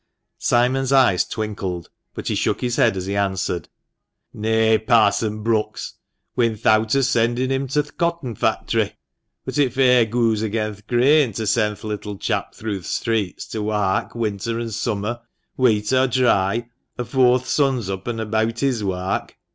Simon's eyes twinkled, but he shook his head as he answered : "Nay, Parson Brucks, we'n thowt o' sendin' him t' th' cotton fac'try ; but it fair goos agen th' grain to send th' little chap through th' streets to wark Winter an' Summer, weet or dry, afore th' sun's oop an' abeawt his wark.